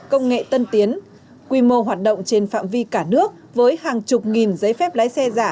công nghệ tân tiến quy mô hoạt động trên phạm vi cả nước với hàng chục nghìn giấy phép lái xe giả